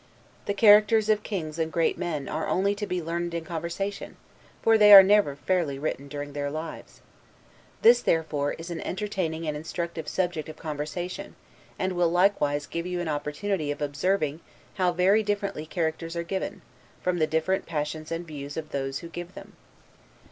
The characters of kings and great men are only to be learned in conversation; for they are never fairly written during their lives. This, therefore, is an entertaining and instructive subject of conversation, and will likewise give you an opportunity of observing how very differently characters are given, from the different passions and views of those who give them.